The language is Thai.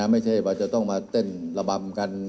ไม่ใช่ว่าจะต้องมาเต้นระบำกัน